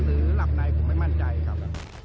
หรือหลับในผมไม่มั่นใจครับ